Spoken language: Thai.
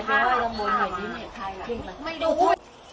ลงบนหน่อยนี้เนี้ยใครล่ะไม่รู้